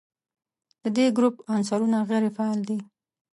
د دې ګروپ عنصرونه غیر فعال دي.